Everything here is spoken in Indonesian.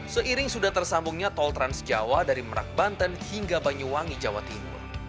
seiring sudah tersambungnya tol transjawa dari merak banten hingga banyuwangi jawa timur